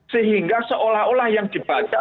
sehingga seolah olah yang dibaca